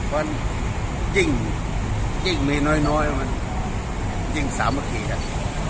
เพราะฉะนั้นยิ่งมีน้อยยิ่งสามคลีกัน